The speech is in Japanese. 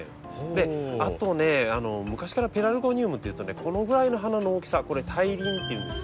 であとね昔からペラルゴニウムっていうとねこのぐらいの花の大きさこれ「大輪」っていうんですけども。